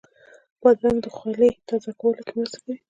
بادرنګ د خولې تازه کولو کې مرسته کوي.